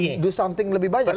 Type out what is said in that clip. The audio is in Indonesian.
ada sesuatu yang lebih banyak bang